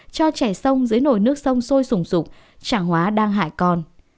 cho trẻ sông dưới nồi nước sông sôi sùng sụp chẳng hóa đang hại con